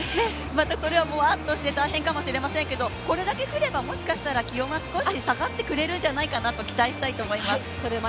それはまた、もわっとして大変かもしれませんけどこれだけ降れば、もしかしたら気温も下がってくれるんじゃないかなと期待したいと思います。